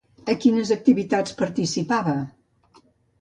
A quines activitats participava?